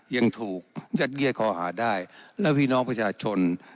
ยังถูกยัดเยียดคอหาได้แล้วพี่น้องประชาชน